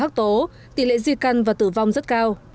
đặc biệt với ung thư da hắc tố tỷ lệ di căn và tử vong rất cao